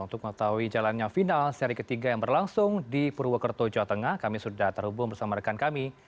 untuk mengetahui jalannya final seri ketiga yang berlangsung di purwokerto jawa tengah kami sudah terhubung bersama rekan kami